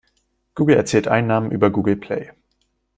Google erzielt Einnahmen über Google Play.